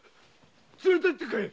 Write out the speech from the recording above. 連れてってくれ！